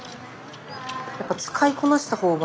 やっぱ使いこなした方が。